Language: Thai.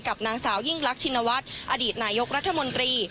นางสาวยิ่งรักชินวัฒน์อดีตนายกรัฐมนตรี